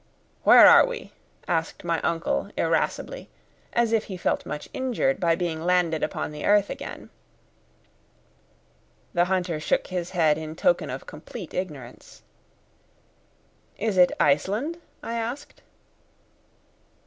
"Where are we?" asked my uncle irascibly, as if he felt much injured by being landed upon the earth again. The hunter shook his head in token of complete ignorance. "Is it Iceland?" I asked.